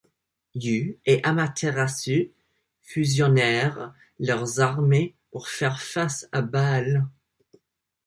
Yu et Amaterasu fusionnèrent leurs armées pour faire face à Ba'al.